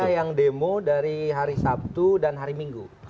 ada yang demo dari hari sabtu dan hari minggu